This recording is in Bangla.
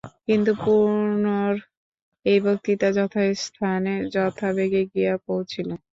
কিন্তু পূর্ণর এই বক্তৃতা যথাস্থানে যথাবেগে গিয়া পৌঁছিল।